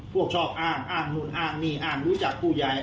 ชอบอ้างอ้างนู่นอ้างนี่อ้างรู้จักผู้ใหญ่